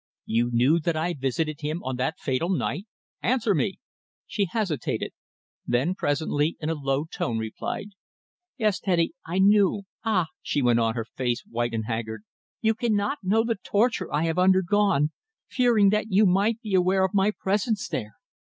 "You knew that I visited him on that fatal night. Answer me?" She hesitated. Then presently, in a low tone, replied "Yes, Teddy, I knew. Ah!" she went on, her face white and haggard. "You cannot know the torture I have undergone fearing that you might be aware of my presence there.